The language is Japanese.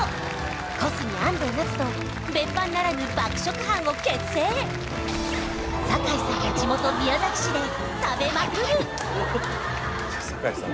小杉安藤なつと別班ならぬ爆食班を結成堺さんの地元宮崎市で食べまくる堺さん